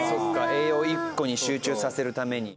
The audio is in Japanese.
栄養を一個に集中させるために。